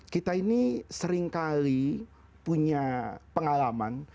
kita ini seringkali punya pengalaman